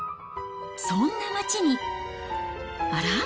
そんな街に、あら？